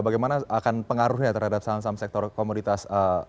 bagaimana akan pengaruhnya terhadap saham saham sektor komoditas